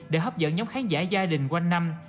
để hấp dẫn nhóm khán giả gia đình quanh năm